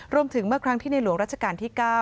เมื่อครั้งที่ในหลวงรัชกาลที่๙